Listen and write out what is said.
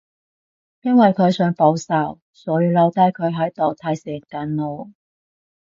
因為佢想報仇，所以留低佢喺度提醒緊我